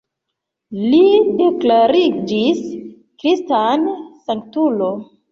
Li deklariĝis kristana sanktulo.